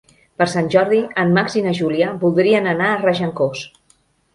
Per Sant Jordi en Max i na Júlia voldrien anar a Regencós.